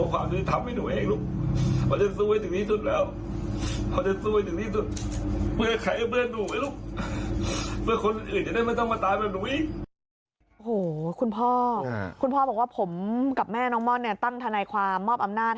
คุณพ่อบอกว่าผมกับแม่น้องม่อนตั้งธนายความมอบอำนาจ